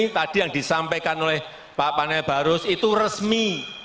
tadi yang disampaikan oleh pak panel barus itu resmi